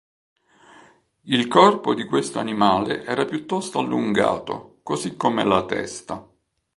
Il corpo di questo animale era piuttosto allungato, così come la testa.